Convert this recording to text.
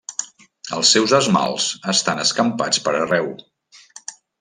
Els seus esmalts estan escampats per arreu.